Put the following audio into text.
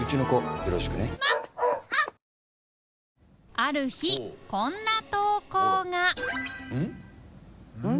ある日こんな投稿がうん？